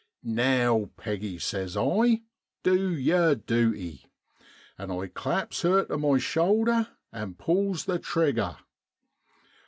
l Now, Peggy,' says I, ' du yer duty !' and I claps her to my shoulder an' pulls the trigger.